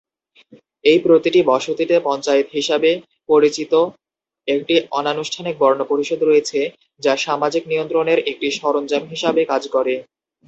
এই প্রতিটি বসতিতে পঞ্চায়েত হিসাবে পরিচিত একটি অনানুষ্ঠানিক বর্ণ পরিষদ রয়েছে, যা সামাজিক নিয়ন্ত্রণের একটি সরঞ্জাম হিসাবে কাজ করে।